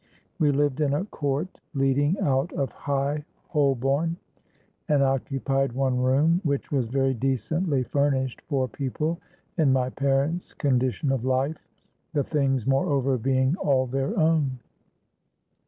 We lived in a court leading out of High Holborn, and occupied one room, which was very decently furnished for people in my parents' condition of life, the things moreover being all their own.